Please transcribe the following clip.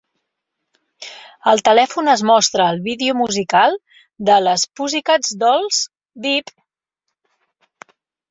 El telèfon es mostra al vídeo musical de les Pussycat Dolls "Beep".